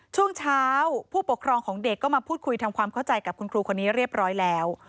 ช่วงเช้าผู้ปกครองของเด็กก็มาพูดคุยทำความเข้าใจกับคุณครูคนนี้เรียบร้อยแล้ว